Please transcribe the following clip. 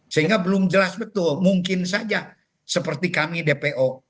sehingga belum jelas betul mungkin saja seperti kami dpo